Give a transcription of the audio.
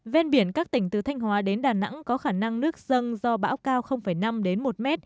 ven biển các tỉnh từ thanh hóa đến đà nẵng có khả năng nước dâng do bão cao năm một m